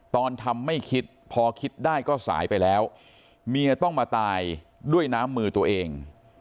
ตอนทำไม่คิดพอคิดได้ก็สายไปแล้วเมียต้องมาตายด้วยน้ำมือตัวเอง